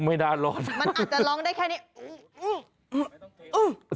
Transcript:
มันอาจจะร้องได้แค่นี้